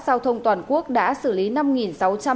giao thông toàn quốc đã xử lý